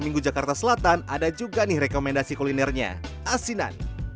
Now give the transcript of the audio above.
minggu jakarta selatan ada juga nih rekomendasi kulinernya asinan